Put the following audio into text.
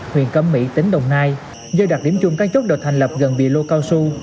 huyện cẩm mỹ tỉnh đồng nai do đặc điểm chung các chốt được thành lập gần vị lô cao su